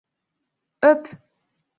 Öp!